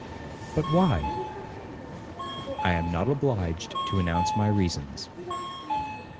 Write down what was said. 'But why?' 'I am not obliged to announce my reasons.'